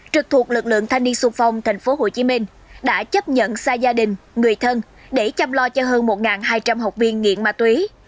trực thuộc lực lượng thanh niên sung phong tp hcm đã chấp nhận xa gia đình người thân để chăm lo cho hơn một hai trăm linh học viên nghiện ma túy